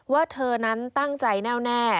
ว่าเธอนั้นตั้งใจแน่วแน่